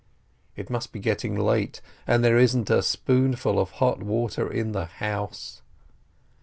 It must be getting late, and there isn't a spoonful of hot water in the house.